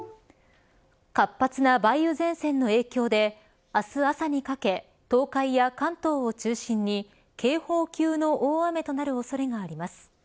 活発な梅雨前線の影響で明日朝にかけ東海や関東を中心に警報級の大雨となる恐れがあります。